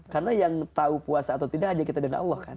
karena yang tahu puasa atau tidak hanya kita dana allah kan